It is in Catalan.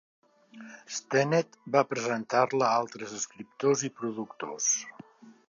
Stennett va presentar-la a altres escriptors i productors.